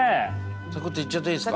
サクッといっちゃっていいですか？